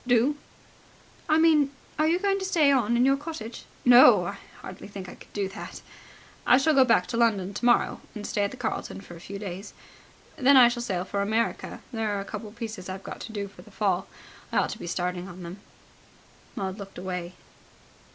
"Do?" "I mean, are you going to stay on in your cottage?" "No, I hardly think I could do that. I shall go back to London tomorrow, and stay at the Carlton for a few days. Then I shall sail for America. There are a couple of pieces I've got to do for the Fall. I ought to be starting on them." Maud looked away.